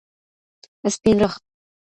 سپینرخ